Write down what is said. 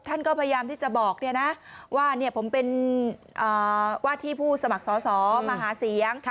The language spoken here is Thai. ท่านก็พยายามที่จะบอกว่าผมเป็นว่าที่ผู้สมัครสอสอมาหาเสียง